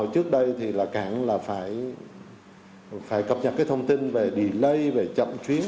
trước đây cảng phải cập nhật thông tin về delay về chậm chuyến